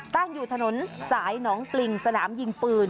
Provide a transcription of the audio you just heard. ตั้งอยู่ถนนสายหนองปริงสนามยิงปืน